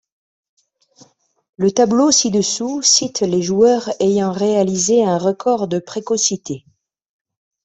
Le tableau ci-dessous cite les joueurs ayant réalisé un record de précocité.